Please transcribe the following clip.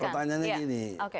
pertanya ini gini